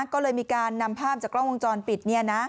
ก็เลยมีการนำภาพจากกล้องวงจรปิด